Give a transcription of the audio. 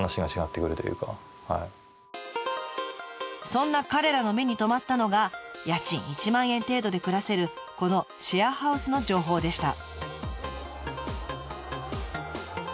そんな彼らの目に留まったのが家賃１万円程度で暮らせるこのシェアハウスの情報でした。